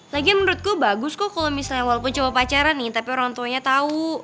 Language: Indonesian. lagi menurutku bagus kok kalo misalnya walaupun coba pacaran nih tapi orang tuanya tau